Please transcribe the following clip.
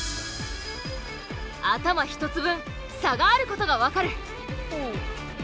頭１つ分差があることが分かる。